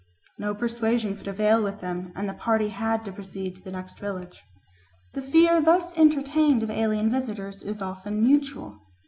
No persuasion could avail with them, and the party had to proceed to the next village." The fear thus entertained of alien visitors is often mutual.